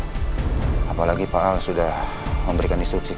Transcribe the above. karena saya khawatir kalau di dalamnya ada yang berbahaya